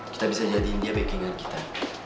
kita bisa jadi india backingan kita